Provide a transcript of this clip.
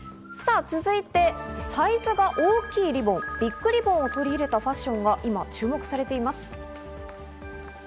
続いて、サイズが大きいリボン、ビッグリボンを取り入れたファッションが今、注目されています。